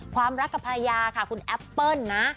ความรักกับภรรยาค่ะคุณแอปเปิ้ลนะ